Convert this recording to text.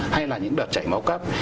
hay là những đợt chảy máu cấp